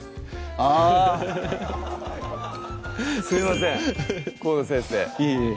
あすいません河野先生いえいえ